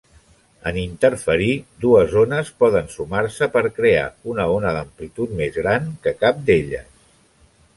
En interferir, dues ones poden sumar-se per crear una ona d'amplitud més gran que cap d'elles.